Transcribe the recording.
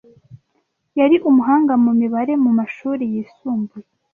Yari umuhanga mu mibare mu mashuri yisumbuye.